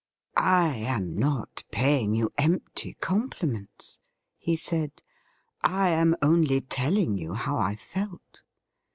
' I am not paying you empty compliments,' he said ;' I am only telling you how I felt.'